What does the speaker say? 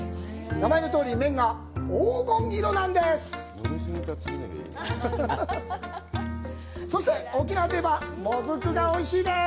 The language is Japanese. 名前のとおり、麺が黄金色しています。